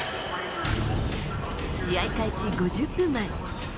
試合開始５０分前。